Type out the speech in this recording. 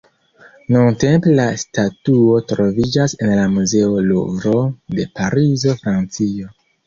Nuntempe la statuo troviĝas en la Muzeo Luvro de Parizo, Francio.